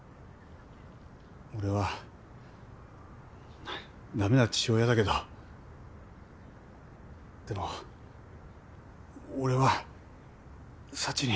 俺はダメな父親だけどでも俺は幸に。